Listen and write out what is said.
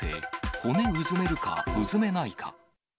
骨うずめるか、うずめないか。